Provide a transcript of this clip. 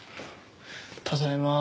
ただいま。